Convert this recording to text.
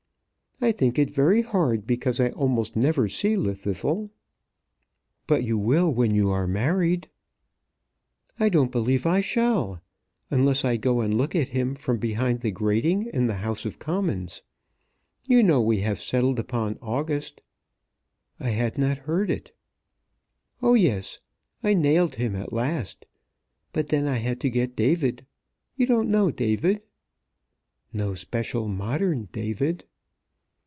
"I think it very hard because I almost never see Llwddythlw." "But you will when you are married." "I don't believe I shall; unless I go and look at him from behind the grating in the House of Commons. You know we have settled upon August." "I had not heard it." "Oh yes. I nailed him at last. But then I had to get David. You don't know David?" "No special modern David."